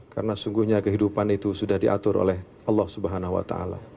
karena sungguhnya kehidupan itu sudah diatur oleh allah swt